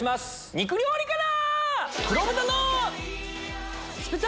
肉料理から！